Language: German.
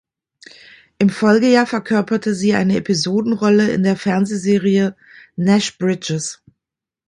Im Folgejahr verkörperte sie eine Episodenrolle in der Fernsehserie "Nash Bridges".